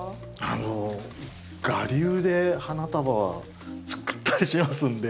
あの我流で花束は作ったりしますんで。